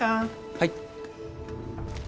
はい。